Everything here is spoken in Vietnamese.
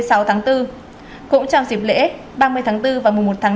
cũng trong dịp lễ ba mươi tháng bốn và một mươi một tháng năm